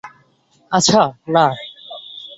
আচ্ছা, না।